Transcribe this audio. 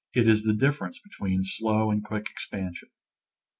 It is the difference between slow and quick expansion.